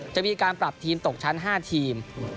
จะมีการปรับทีมตกชั้น๕ทีม